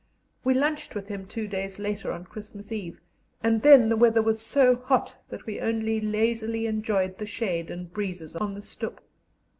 We lunched with him two days later on Christmas Eve, and then the weather was so hot that we only lazily enjoyed the shade and breezes on the stoep.